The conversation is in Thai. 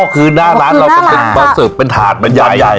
อ๋อคือหน้าร้านเราเป็นฐานใหญ่